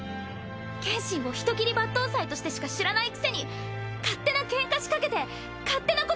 剣心を人斬り抜刀斎としてしか知らないくせに勝手なケンカ仕掛けて勝手なことばかり言わないでよ！